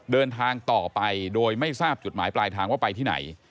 เดินทางต่อไปโดยไม่ทราบจุดหมายปลายทางว่าไปที่ไหน